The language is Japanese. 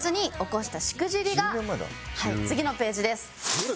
はい次のページです。